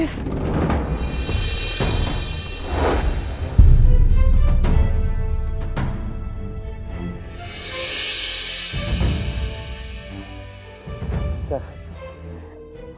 ayo di tengah tempat